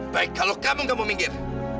baik kalau kamu tidak mau minggir